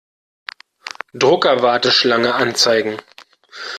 Drucker-Warteschlange anzeigen.